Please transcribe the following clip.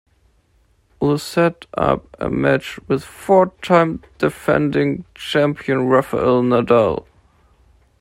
This set up a match with four-time defending champion Rafael Nadal.